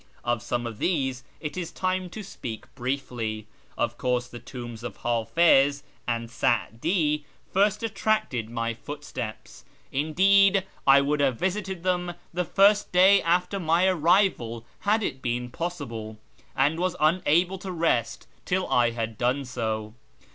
Of some of these it is time to speak briefly. Of course the tombs of Hafiz and Sa'di first attracted my footsteps ; indeed I would have visited them the first day after my arrival had it been possible, and was unable to rest till I had done so.